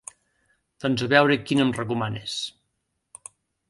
Doncs a veure quin em recomanes.